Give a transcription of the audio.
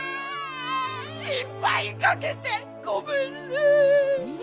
しんぱいかけてごめんね！